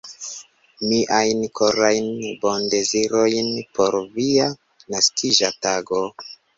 Miajn korajn bondezirojn por via naskiĝa tago!